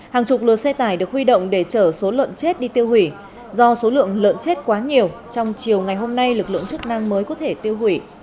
hàng chục lượt xe tải được huy động để trở số lợn chết đi tiêu hủy do số lượng lợn chết quá nhiều trong chiều ngày hôm nay lực lượng chức năng mới có thể tiêu hủy